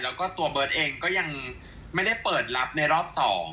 แล้วก็ตัวเบิร์ตเองก็ยังไม่ได้เปิดรับในรอบ๒